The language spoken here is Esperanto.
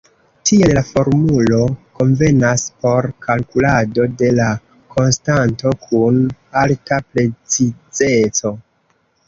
Tiel la formulo konvenas por kalkulado de la konstanto kun alta precizeco.